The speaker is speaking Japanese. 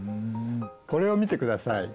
これを見てください。